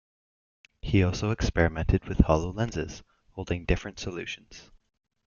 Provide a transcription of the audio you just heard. He also experimented with hollow lenses, holding different solutions.